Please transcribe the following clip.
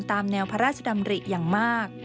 ตามแนวพระราชดำริอย่างมาก